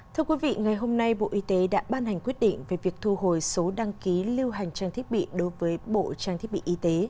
thưa quý vị ngày hôm nay bộ y tế đã ban hành quyết định về việc thu hồi số đăng ký lưu hành trang thiết bị đối với bộ trang thiết bị y tế